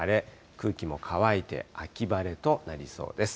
空気も乾いて、秋晴れとなりそうです。